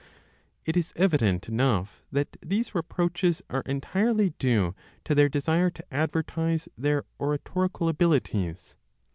It is evident enough that these reproaches are entirely due to their desire to advertise their oratorical abilities.